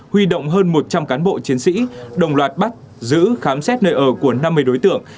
huy động hơn một trăm linh cán bộ chiến sĩ đồng loạt bắt giữ khám xét nơi ở của năm mươi đối tượng